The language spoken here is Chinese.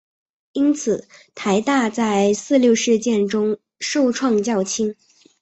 因此台大在四六事件中受创较轻。